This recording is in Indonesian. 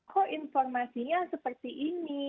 kok informasinya seperti ini